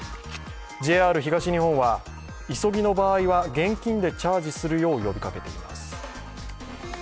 ＪＲ東日本は急ぎの場合は現金でチャージするよう呼びかけています。